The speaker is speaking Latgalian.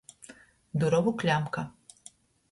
Durovu kļamka.